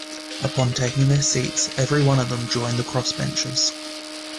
Upon taking their seats, every one of them joined the crossbenches.